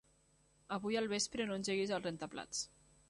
Avui al vespre no engeguis el rentaplats.